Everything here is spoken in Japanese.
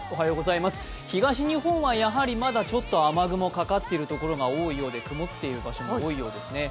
東日本はやはりまだちょっと雨雲かかっているところが多いようで曇っている場所も多いようですね。